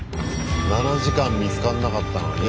７時間見つかんなかったのに？